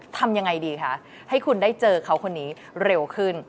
ทำยังไงดีคะให้คุณได้เจอเขาคนนี้เร็วขึ้น